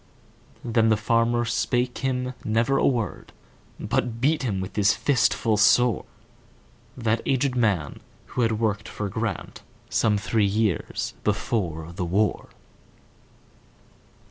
Then the farmer spake him never a word, But beat with his fist full soreThat aged man, who had worked for GrantSome three years before the war.